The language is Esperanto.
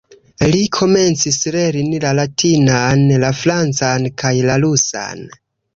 Li komencis lerni la latinan, la francan kaj la rusan.